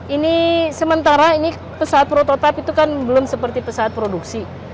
ini sementara ini pesawat prototipe itu kan belum seperti pesawat produksi